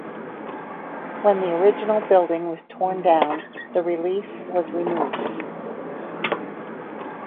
When the original building was torn down, the relief was removed.